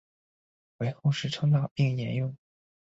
为后世称道并沿用。